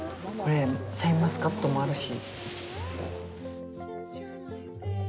シャインマスカットもあるし。